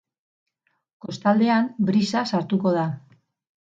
Kostaldean, brisa sartuko da.